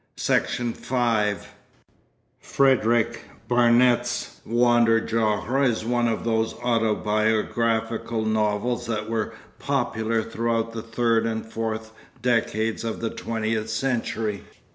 Section 5 Frederick Barnet's Wander Jahre is one of those autobiographical novels that were popular throughout the third and fourth decades of the twentieth century.